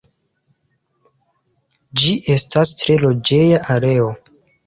Ĝi estas tre loĝeja areo.